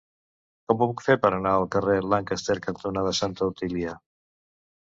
Com ho puc fer per anar al carrer Lancaster cantonada Santa Otília?